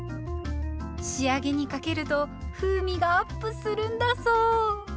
仕上げにかけると風味がアップするんだそう。